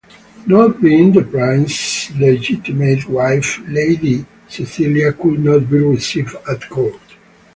Not being the Prince's legitimate wife, Lady Cecilia could not be received at court.